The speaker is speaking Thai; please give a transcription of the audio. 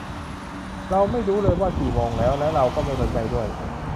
เราไม่รู้เลยว่ากี่โมงแล้ว และเราก็ไม่สนใจด้วย